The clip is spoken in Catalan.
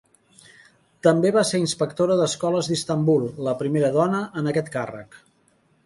També va ser inspectora d'escoles d'Istanbul, la primera dona en aquest càrrec.